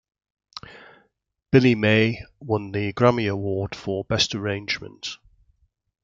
Billy May won the Grammy Award for Best Arrangement.